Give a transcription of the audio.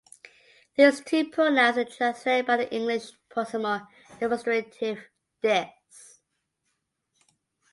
These two pronouns are translated by the English proximal demonstrative "this".